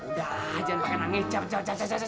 udah lah jangan pake nangis coba coba coba